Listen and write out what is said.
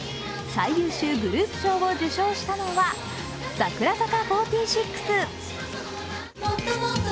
最優秀グループ賞を受賞したのは櫻坂４６。